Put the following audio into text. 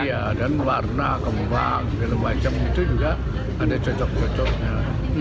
iya dan warna kembang segala macam itu juga ada cocok cocoknya